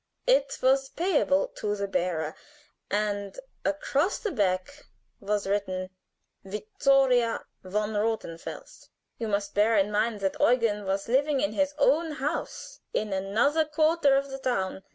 It was payable to the bearer, and across the back was written 'Vittoria von Rothenfels.' "You must bear in mind that Eugen was living in his own house, in another quarter of the town.